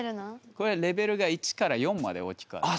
これレベルが１４まで大きくあって。